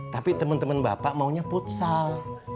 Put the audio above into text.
tapi temen temen bapak maunya futsal